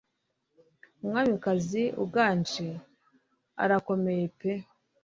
Umwamikazi uganje, arakomeye pe